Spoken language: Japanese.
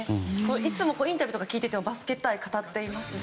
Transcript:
いつもインタビューとか聞いててもバスケット愛を語っていますし。